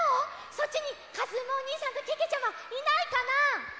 そっちにかずむおにいさんとけけちゃまいないかな？